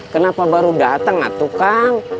kenapa baru dateng atuh kang